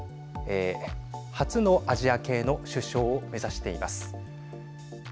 初のアジア系の首相を目指しています。